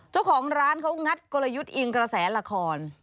เจ้าของร้านเขางัดกลยุทธ์อิงกระแสละคร